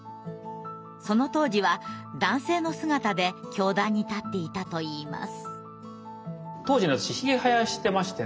その当時は男性の姿で教壇に立っていたといいます。